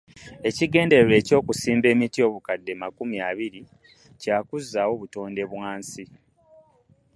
Ekigendererwa eky'okusimba emiti obukadde makumi abiri Kya kuzzaawo butonde bwa nsi.